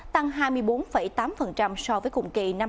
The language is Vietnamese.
tăng hai mươi bốn tám so với cùng kỳ năm hai nghìn hai mươi ba